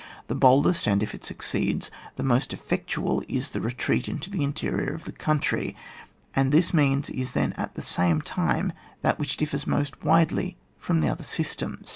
The boldest, and if it succeeds, the most effectual, is the retreat into the interior of the country ; and this means is then at the same time that which differs most widely from the other system.